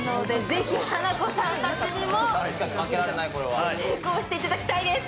ぜひハナコさんたちにも成功していただきたいです。